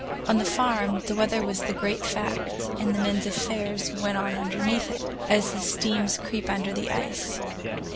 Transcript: On the farm the weather was the great fact, and men's affairs went on underneath it, as the streams creep under the ice.